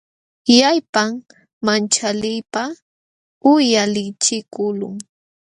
Illpam manchaliypaq uyalichikuqlun.